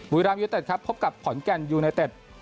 รามยูเต็ดครับพบกับขอนแก่นยูไนเต็ด